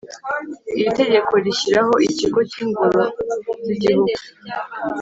Iri tegeko rishyiraho Ikigo cy Ingoro z Igihugu